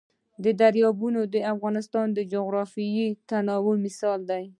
دریابونه د افغانستان د جغرافیوي تنوع مثال دی.